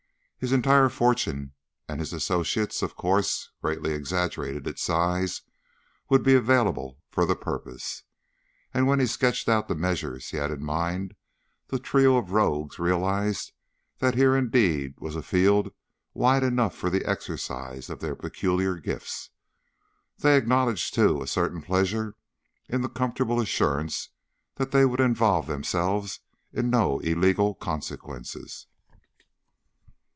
His entire fortune and his associates, of course, greatly exaggerated its size would be available for the purpose, and when he sketched out the measures he had in mind the trio of rogues realized that here indeed was a field wide enough for the exercise of their peculiar gifts. They acknowledged, too, a certain pleasure in the comfortable assurance that they would involve themselves in no illegal consequences.